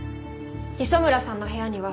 磯村さんの部屋には？